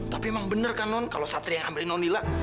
tapi emang bener kan non kalau satria yang ngambilin lo lila